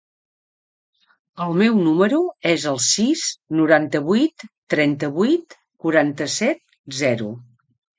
El meu número es el sis, noranta-vuit, trenta-vuit, quaranta-set, zero.